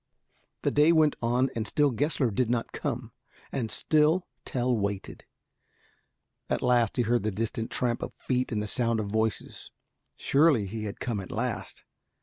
The day went on, and still Gessler did not come, and still Tell waited. At last he heard the distant tramp of feet and the sound of voices. Surely he had come at last.